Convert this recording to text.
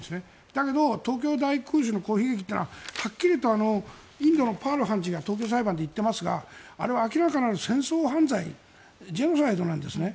だけど、東京大空襲の悲劇ははっきりとインドのパール判事が東京裁判で言っていますがあれは明らかな戦争犯罪ジェノサイドなんですね。